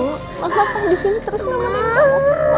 mama mama disini terus nama nama